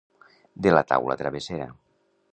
De la taula travessera.